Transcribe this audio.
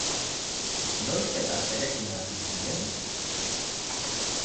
Noiz eta zerekin hasi zinen?